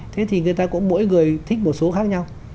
thế thì người ta cũng mỗi người thích một số khác nhau